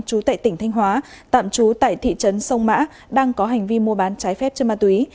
chú tại tỉnh thanh hóa tạm trú tại thị trấn sông mã đang có hành vi mua bán trái phép trên ma túy